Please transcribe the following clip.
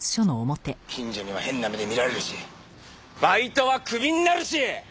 近所には変な目で見られるしバイトはクビになるし！